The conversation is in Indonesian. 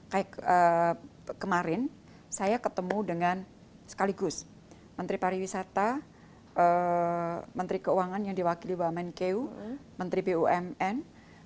kayak kemarin saya ketemu dengan sekaligus menteri pariwisata menteri keuangan yang diwakili wamenkeu menteri bumn